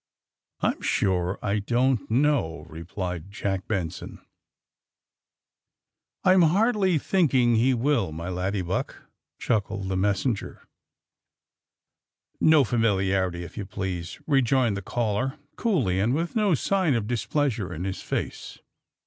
I'm sure I don't know,^' replied Jack Ben son. 8 THE SUBMARINE BOYS I'm hardly thinking he will, my laddyhnck," chuckled the messenger. *^No familiarity, if you please, '^ rejoined the caller, coolly, and with no sign of displeasure in his face.